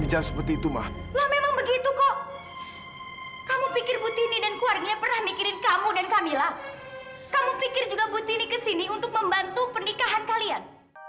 jangan pikir juga ibu tini kesini untuk membantu pernikahan kalian